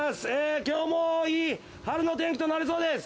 きょうもいい春の天気となりそうです。